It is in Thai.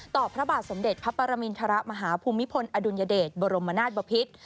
พระบาทสมเด็จพระปรมินทรมาฮภูมิพลอดุลยเดชบรมนาศบพิษ